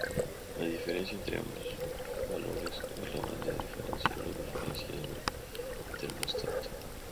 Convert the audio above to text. La diferencia entre ambos valores es la banda diferencial o diferencial del termostato.